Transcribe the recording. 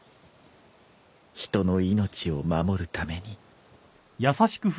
人の命を守るために。